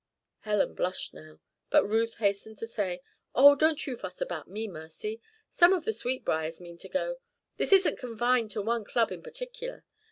Helen blushed now; but Ruth hastened to say: "Oh, don't you fuss about me, Mercy. Some of the Sweetbriars mean to go. This isn't confined to one club in particular.